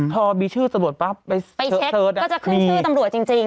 พอมีชื่อตำรวจปั๊บไปเช็คก็จะขึ้นชื่อตำรวจจริง